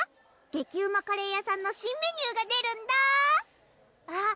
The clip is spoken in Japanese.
激うまカレー屋さんの新メニューが出るんだあっ